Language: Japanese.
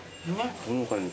ほのかに。